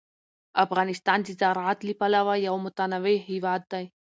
افغانستان د زراعت له پلوه یو متنوع هېواد دی.